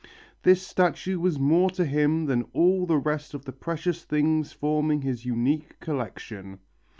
This statue was more to him than all the rest of the precious things forming his unique collection.